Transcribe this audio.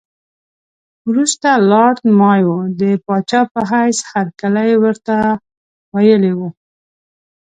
وروسته لارډ مایو د پاچا په حیث هرکلی ورته ویلی وو.